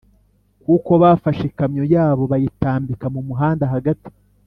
kuko bafashe ikamyo yabo bayitambika mu muhanda hagati”.